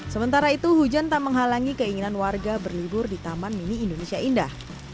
sementara itu hujan tak menghalangi keinginan warga berlibur di taman mini indonesia indah